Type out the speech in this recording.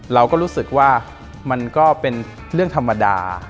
เราก็รู้สึกว่ามันก็เป็นเรื่องธรรมดา